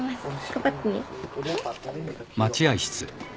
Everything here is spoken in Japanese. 頑張ってね。